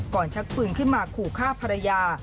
ชักปืนขึ้นมาขู่ฆ่าภรรยา